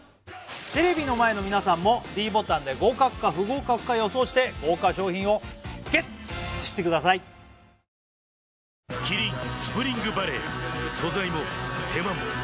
テレビの前の皆さんもｄボタンで合格か不合格か予想して豪華賞品をＧＥＴしてくださいは果たして合格合格合格合格合格合格合格！